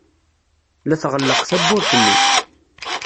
La tɣelleq tewwurt-nni.